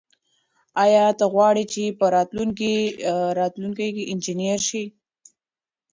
آیا ته غواړې چې په راتلونکي کې انجنیر شې؟